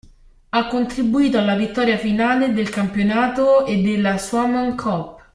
Ha contribuito alla vittoria finale del campionato e della Suomen Cup.